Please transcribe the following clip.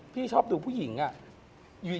ปุ่นใหญ่